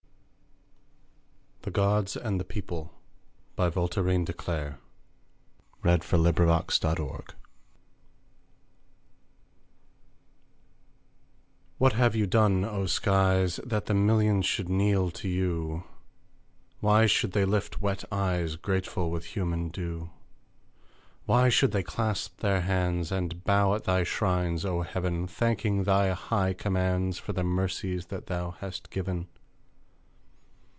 THE GODS AND THE PEOPLE. by Voltairine de Cleyre What have you done, O skies, That the millions should kneel to you? Why should they lift wet eyes, Grateful with human dew? Why should they clasp their hands, And bow at thy shrines, O heaven, Thanking thy high commands For the mercies that thou hast given?